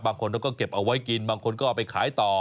บางคนเขาก็เก็บเอาไว้กินบางคนก็เอาไปขายต่อ